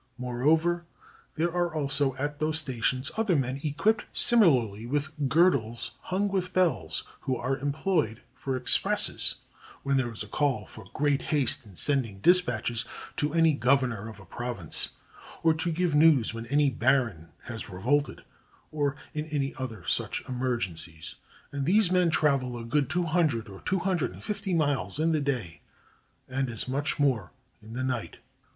Moreover, there are also at those stations other men equipped similarly with girdles hung with bells, who are employed for expresses when there is a call for great haste in sending dispatches to any governor of a prov ince, or to give news when any baron has revolted, or in other such emergencies; and these men travel a good two hundred or two hundred and fifty miles in the day and as much more in the night.